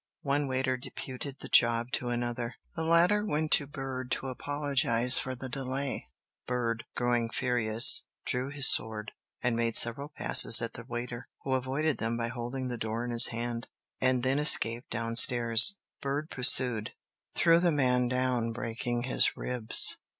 One waiter deputed the job to another, the latter went to Bird to apologize for the delay. Bird, growing furious, drew his sword, and made several passes at the waiter, who avoided them by holding the door in his hand, and then escaped down stairs. Bird pursued, threw the man down, breaking his ribs.